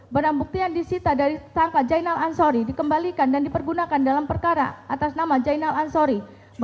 barang bukti yang disita dari tangka jainal ansori